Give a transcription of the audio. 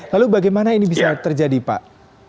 lalu bagaimana ini bisa terjadi pak